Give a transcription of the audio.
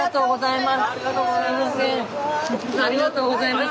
ありがとうございます。